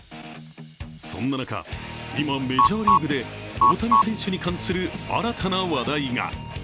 そんな中、今メジャーリーグで大谷選手に関する新たな話題が。